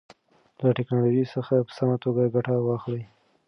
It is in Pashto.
له ټیکنالوژۍ څخه په سمه توګه ګټه واخلئ.